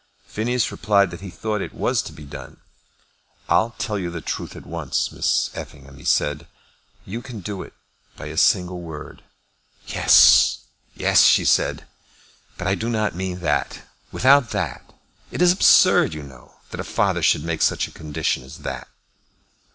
Phineas replied that he thought it was to be done. "I'll tell you the truth at once, Miss Effingham," he said. "You can do it by a single word." "Yes; yes;" she said; "but I do not mean that; without that. It is absurd, you know, that a father should make such a condition as that."